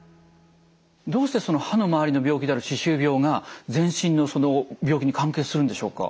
どうして歯の周りの病気である歯周病が全身の病気に関係するんでしょうか？